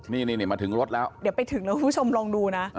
นี่นี่มาถึงรถแล้วเดี๋ยวไปถึงแล้วคุณผู้ชมลองดูนะ